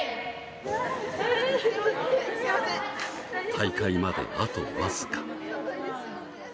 大会まで、あとわずか。